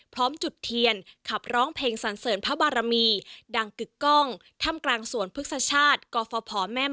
พร้อมจุดเทียนขับร้องเพลงสันเสริญพระบารมีดังกึกกล้องถ้ำกลางสวนพฤกษชาติกฟภแม่ม